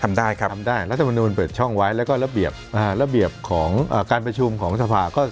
ทำได้ครับทำได้เรสตมดูลเปิดช่องไว้แล้วก็ระเบียบของการประชูมของสภาค่ะ